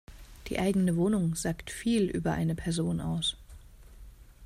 Die eigene Wohnung sagt viel über eine Person aus.